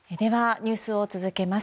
ニュースを続けます。